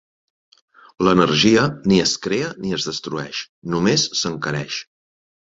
L'energia ni es crea ni es destrueix, només s'encareix.